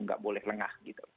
nggak boleh lengah gitu